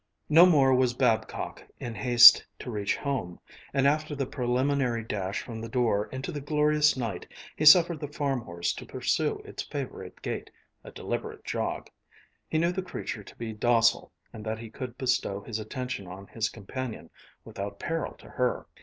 No more was Babcock in haste to reach home; and after the preliminary dash from the door into the glorious night he suffered the farm horse to pursue its favorite gait, a deliberate jog. He knew the creature to be docile, and that he could bestow his attention on his companion without peril to her.